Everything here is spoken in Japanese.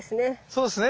そうすね。